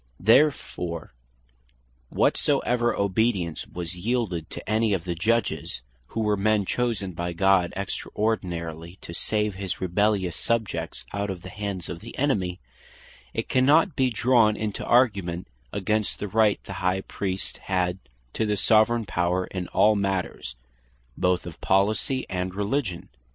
Therefore whatsoever obedience was yeelded to any of the Judges, (who were men chosen by God extraordinarily, to save his rebellious subjects out of the hands of the enemy,) it cannot bee drawn into argument against the Right the High Priest had to the Soveraign Power, in all matters, both of Policy and Religion.